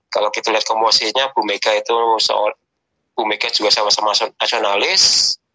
kalau kita lihat promosinya bu mega itu bu mega juga sama sama nasionalis